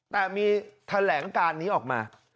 แต่มีแถลงการนี้ออกมา